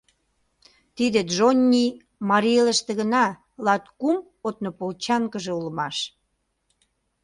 Тиде Джонни Марий Элыште гына латкум однополчанкыже улмаш.